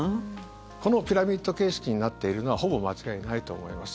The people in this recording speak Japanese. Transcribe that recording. このピラミッド形式になっているのはほぼ間違いないと思います。